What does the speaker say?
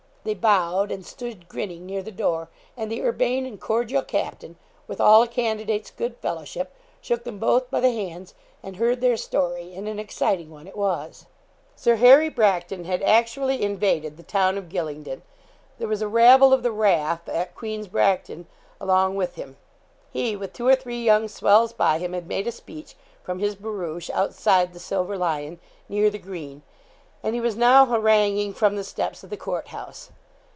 They bowed, and stood, grinning, near the door; and the urbane and cordial captain, with all a candidate's good fellowship, shook them both by the hands, and heard their story; and an exciting one it was. Sir Harry Bracton had actually invaded the town of Gylingden. There was a rabble of the raff of Queen's Bracton along with him. He, with two or three young swells by him, had made a speech, from his barouche, outside the 'Silver Lion,' near the green; and he was now haranguing from the steps of the Court House.